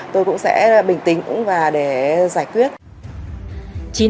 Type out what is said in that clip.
tôi cũng sẽ bình tĩnh và để giải quyết